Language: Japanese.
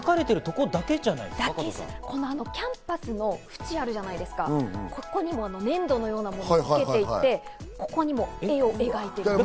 キャンバスの縁があるじゃないですか、ここに粘土のようなものをつけていって、ここにも絵を描いているんです。